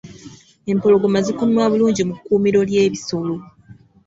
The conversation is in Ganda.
Empologoma zikuumibwa bulungi mu kkuumiro ly'ebisolo.